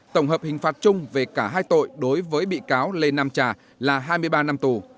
tổng hợp hình phạt chung về cả hai tội đối với bị cáo lê nam trà là hai mươi ba năm tù